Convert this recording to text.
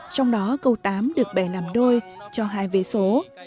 trong đó câu tám được bẻ làm đôi cho hai vế số